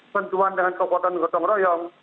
mencuan dengan kekuatan gotong royong